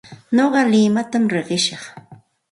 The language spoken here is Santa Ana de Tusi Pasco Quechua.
Nuqa limatam riqishaq.